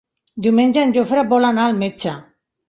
Diumenge en Jofre vol anar al metge.